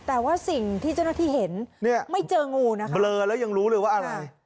แต่ว่าสิ่งที่เจ้าหน้าที่เห็นเนี่ยไม่เจองูนะคะเบลอแล้วยังรู้เลยว่าอะไร